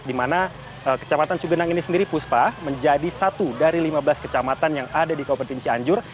di mana kecamatan cugenang ini sendiri puspa menjadi satu dari lima belas kecamatan yang ada di kabupaten cianjur